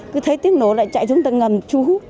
cứ thấy tiếng nổ lại chạy xuống tầng ngầm chú